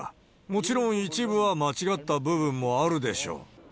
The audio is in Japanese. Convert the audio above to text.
もちろん一部は間違った部分もあるでしょう。